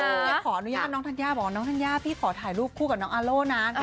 แล้วหนูจะขอนุญาตน้องท่านย่าบอกน้องท่านย่าพี่ขอถ่ายรูปคู่กับน้องอัลโหล่นะ